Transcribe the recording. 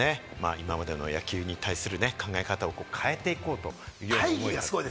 今までの野球に対する考え方を変えていこうという。